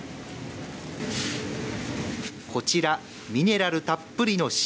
こちら、ミネラルたっぷりの塩。